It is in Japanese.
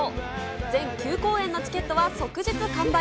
全９公演のチケットは即日完売。